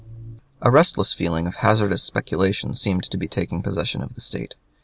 ] A restless feeling of hazardous speculation seemed to be taking possession of the State.